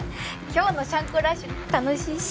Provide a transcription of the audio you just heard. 今日のシャンコラッシュ楽しいし。